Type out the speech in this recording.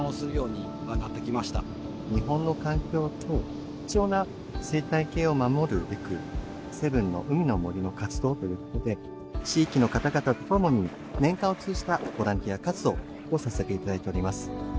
日本の環境と貴重な生態系を守るべくセブンの海の森の活動ということで地域の方々と年間を通じたボランティア活動をさせていただいております。